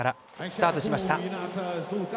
スタートしました。